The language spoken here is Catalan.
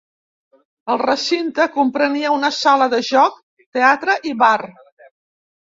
El recinte comprenia una sala de joc, teatre i bar.